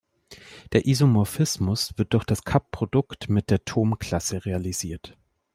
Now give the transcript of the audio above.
Der Isomorphismus wird durch das Cup-Produkt mit der Thom-Klasse realisiert.